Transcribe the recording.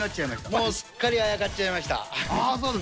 もうすっかりあやかっちゃいました。